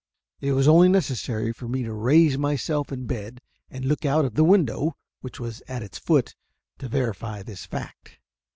It was only necessary for me to raise myself in bed and look out of the window, which was at its foot, to verify this fact.